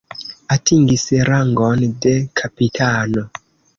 Atingis rangon de kapitano.